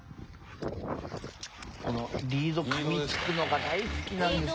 このリード噛みつくのが大好きなんですね。